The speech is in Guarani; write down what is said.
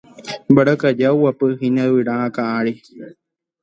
Mbarakaja oguapyhína yvyra akã ári.